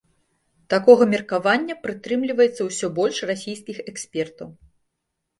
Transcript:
Такога меркавання прытрымліваецца ўсё больш расійскіх экспертаў.